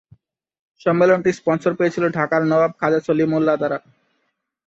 সম্মেলনটি sponsor পেয়েছিলো ঢাকার নবাব খাজা সলিমুল্লাহ দ্বারা।